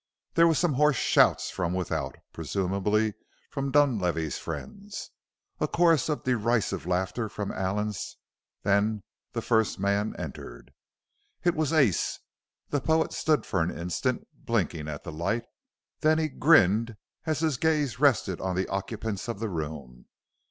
There were some hoarse shouts from without presumably from Dunlavey's friends; a chorus of derisive laughter from Allen's. Then the first man entered. It was Ace. The poet stood for an instant, blinking at the light, then he grinned as his gaze rested on the occupants of the room.